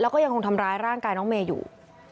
แล้วก็ยังคงทำร้ายร่างกายน้องเมย์อยู่